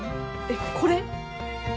えっこれ？